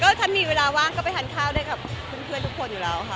ถ้ามีเวลาว่างก็ไปทานข้าวได้กับเพื่อนทุกคนอยู่แล้วค่ะ